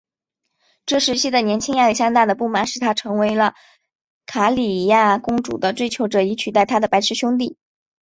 这时期的年轻亚历山大的不满使他成了卡里亚公主的追求者以取代他的白痴兄弟。